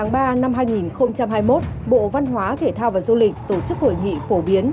ngày hai mươi năm tháng ba năm hai nghìn hai mươi một bộ văn hóa thể thao và du lịch tổ chức hội nghị phổ biến